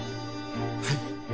はい。